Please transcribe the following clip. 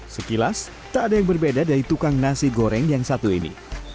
sekilas tak ada yang berbeda dari tukang nasi goreng yang satu ini